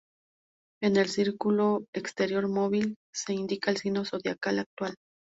En el círculo exterior móvil se indica el signo zodiacal actual.